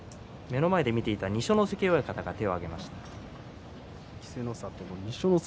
目の前で見ていた二所ノ関親方が手を上げました。